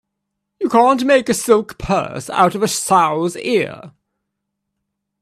You can't make a silk purse out of a sow's ear.